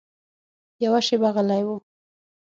یوه شېبه غلی و.